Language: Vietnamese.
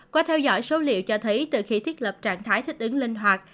qua theo dõi số liệu cho thấy từ khi thiết lập trạng thái thích ứng linh hoạt